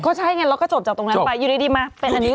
ก็ใช่ไงแล้วก็จบจากตรงนั้นไปอยู่ดีมาเป็นอันนี้